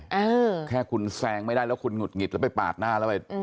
เออแค่คุณแซงไม่ได้แล้วคุณหุดหงิดแล้วไปปาดหน้าแล้วไป